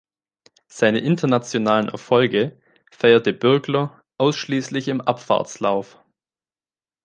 Seine internationalen Erfolge feierte Bürgler ausschliesslich im Abfahrtslauf.